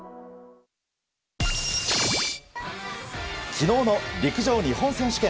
昨日の陸上日本選手権。